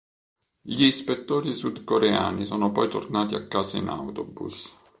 Gli ispettori sudcoreani sono poi tornati a casa in autobus.